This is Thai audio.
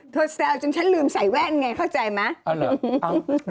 แซวจนฉันลืมใส่แว่นไงเข้าใจไหม